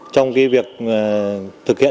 trong việc thực hiện